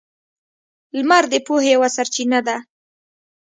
• لمر د پوهې یوه سرچینه ده.